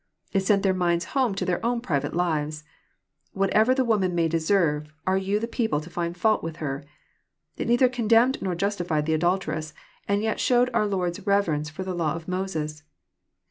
— ^It sent their minds home to their own piiyate llTes. WiiateTer the woman maj deserre, are yon the people to find fimlt with her? "— ^It neither condemned nor jastlfied the adolteress, and yet showed cmr Lord's reverence for the lailMbf Moses.